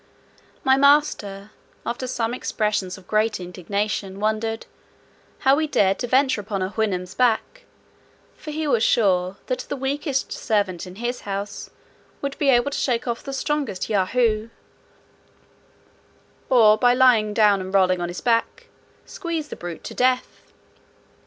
My master, after some expressions of great indignation, wondered "how we dared to venture upon a Houyhnhnm's back; for he was sure, that the weakest servant in his house would be able to shake off the strongest Yahoo; or by lying down and rolling on his back, squeeze the brute to death."